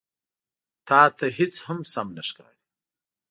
_تاته هېڅ هم سم نه ښکاري.